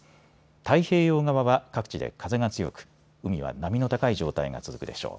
太平洋側は各地で風が強く海は波の高い状態が続くでしょう。